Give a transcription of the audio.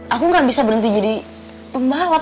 aku gak bisa berhenti jadi pembalap